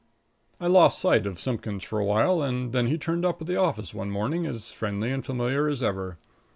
I lost sight of Simpkins for a while, and then he turned up at the office one morning as friendly and familiar as ever.